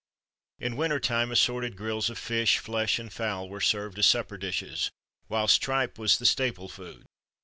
In winter time, assorted grills, of fish, flesh, and fowl, were served as supper dishes; whilst tripe was the staple food.